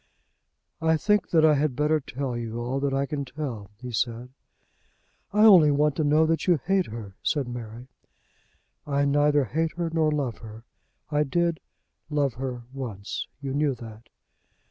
"I think that I had better tell you all that I can tell," he said. "I only want to know that you hate her," said Mary. "I neither hate her nor love her. I did love her once. You knew that."